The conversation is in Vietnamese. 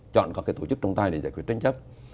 chọn các tổ chức trọng tài để giải quyết tranh chấp